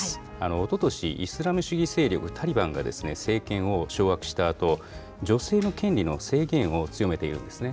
おととし、イスラム主義勢力タリバンが、政権を掌握したあと、女性の権利の制限を強めているんですね。